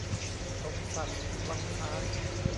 สมศักดิ์ วังซ้าย